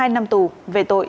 hai năm tù về tội